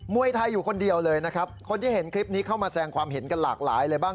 วยไทยอยู่คนเดียวเลยนะครับคนที่เห็นคลิปนี้เข้ามาแสงความเห็นกันหลากหลายเลยบ้าง